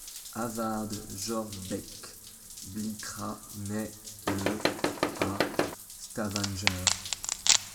Håvard Jorbekk Blikra naît le à Stavanger.